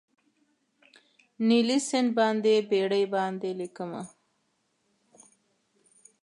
نیلي سیند باندې بیړۍ باندې لیکمه